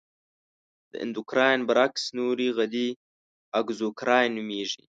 د اندورکراین برعکس نورې غدې اګزوکراین نومیږي.